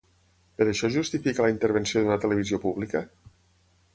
Però això justifica la intervenció d’una televisió pública?